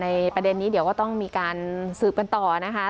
ประเด็นนี้เดี๋ยวก็ต้องมีการสืบกันต่อนะคะ